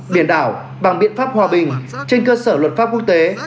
biển đảo bằng biện pháp hòa bình trên cơ sở luật pháp quốc tế